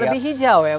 lebih hijau ya